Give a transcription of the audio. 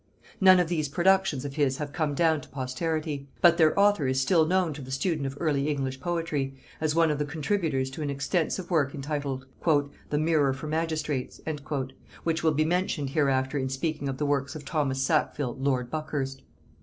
None of these productions of his have come down to posterity; but their author is still known to the student of early English poetry, as one of the contributors to an extensive work entitled "The Mirror for Magistrates," which will be mentioned hereafter in speaking of the works of Thomas Sackville lord Buckhurst.